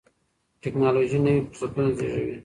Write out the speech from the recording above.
ټیکنالوژي نوي فرصتونه زیږوي.